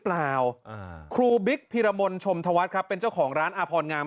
เปล่าอ่าครูบิ๊กพิรมนต์ชมธวัตรครับเป็นเจ้าของร้านอพรงาม